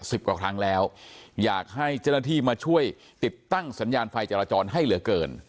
สิบกว่าครั้งแล้วอยากให้เจ้าหน้าที่มาช่วยติดตั้งสัญญาณไฟจราจรให้เหลือเกิน